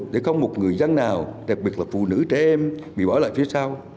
để không một người dân nào đặc biệt là phụ nữ trẻ em bị bỏ lại phía sau